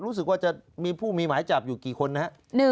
รู้สึกว่าจะมีผู้มีหมายจับอยู่กี่คนนะครับ